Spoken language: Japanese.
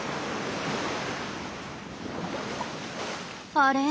あれ？